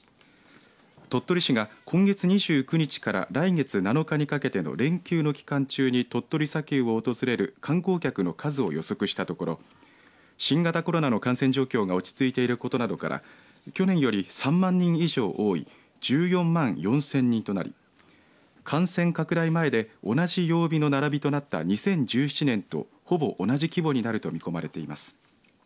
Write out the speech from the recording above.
鳥取市が今月２９日から来月７日にかけての連休の期間中に鳥取砂丘を訪れる観光客の数を予測したところ新型コロナの感染状況が落ち着いていることなどから去年より３万人以上多い１４万４０００人となり感染拡大前で同じ曜日の並びとなった２０１７年とほぼ同じ規模になると見込まれています。